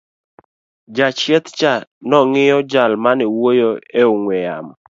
jachieth cha nong'iyo jal mane wuoyo e ong'we yamo